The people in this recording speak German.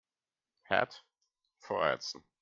Herd vorheizen.